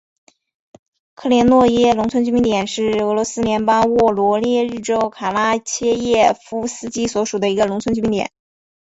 科连诺耶农村居民点是俄罗斯联邦沃罗涅日州卡拉切耶夫斯基区所属的一个农村居民点。